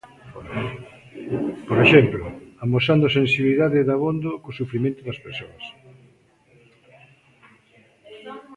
Por exemplo, amosando sensibilidade dabondo co sufrimento das persoas.